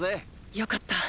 よかった